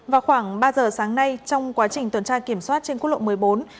vào khoảng ba giờ sáng nay trong quá trình tuần tra kiểm soát trên quốc lộ một mươi bốn